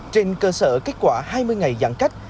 trên cơ sở kết quả hai mươi ngày giãn cách